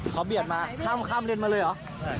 เขาเบียดมาข้ามเลนมาเลยเหรอ